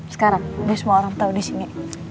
sekarang udah semua orang tau disini